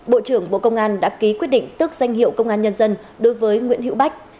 bộ trưởng bộ công an đã ký quyết định tước danh hiệu công an nhân dân đối với nguyễn hữu bách